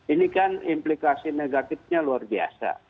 ini kan implikasi negatifnya luar biasa